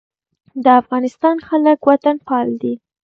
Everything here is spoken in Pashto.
د افغانستان خلک وطنپال دي